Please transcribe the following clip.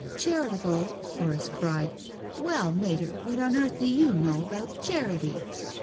"Charitable!" Horace cried. "Well, Mater, what on carlh do you know about charity?